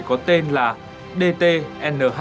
có tên là dtnh